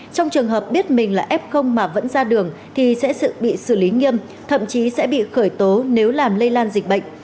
trong trường hợp biết mình là f mà vẫn ra đường thì sẽ bị xử lý nghiêm thậm chí sẽ bị khởi tố nếu làm lây lan dịch bệnh